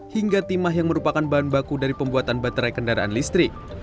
hingga timah yang merupakan bahan baku dari pembuatan baterai kendaraan listrik